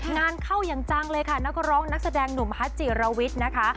งานเข้าอย่างจังเลยค่ะนักร้องนักแสดงหนุ่มฮัทจิรวิทย์นะคะ